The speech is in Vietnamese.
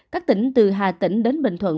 các tỉnh từ hà tĩnh đến bình thuận